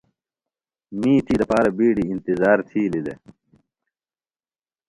می تھی دپارہ بِیڈیۡ اِنتِظار تِھیلیۡ دےۡ۔